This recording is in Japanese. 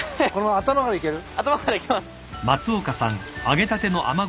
頭からいけます。